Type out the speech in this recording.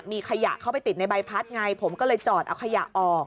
มีขยะเข้าไปติดในใบพัดไงผมก็เลยจอดเอาขยะออก